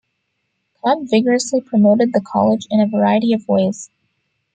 Cobb vigorously promoted the college in a variety of ways.